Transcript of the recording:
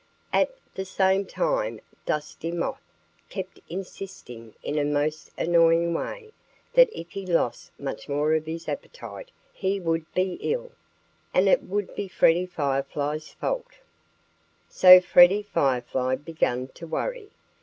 At the same time Dusty Moth kept insisting in a most annoying way that if he lost much more of his appetite he would be ill, and it would be Freddie Firefly's fault. So Freddie Firefly began to worry.